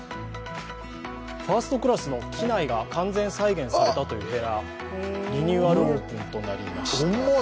ファーストクラスの機内が完全再現されたというお部屋、リニューアルオープンとなりました。